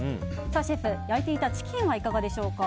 シェフ、焼いていたチキンはいかがでしょうか？